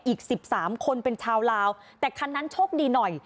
อีก๑๓คนเป็นชาวลาวแต่คันนั้นโชคดีหน่อย